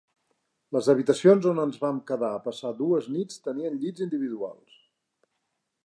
Les habitacions on ens vam quedar a passar dues nits tenien llits individuals.